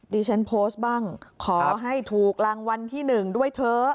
ดิฉันโพสต์บ้างขอให้ถูกรางวัลที่๑ด้วยเถอะ